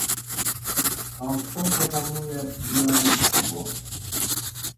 А што прапануе беларускі бок?